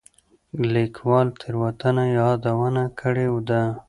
ليکوال تېروتنه يادونه کړې ده.